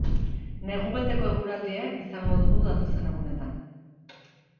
Negu beteko eguraldia izango dugu datozen egunetan.